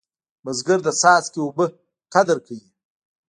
بزګر د څاڅکي اوبه قدر کوي